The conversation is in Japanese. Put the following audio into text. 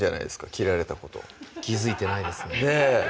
切られたこと気付いてないですねねぇ